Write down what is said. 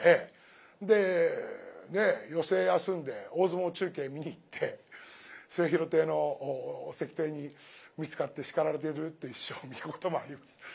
でねえ寄席休んで大相撲中継見に行って末廣亭のお席亭に見つかって叱られてるっていう師匠を見たこともあります。